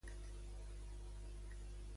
Què no convencia a l'equip de Rajoy?